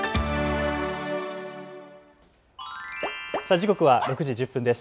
時刻は６時１０分です。